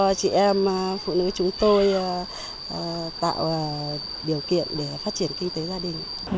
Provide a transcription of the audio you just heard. cho chị em phụ nữ chúng tôi tạo điều kiện để phát triển kinh tế gia đình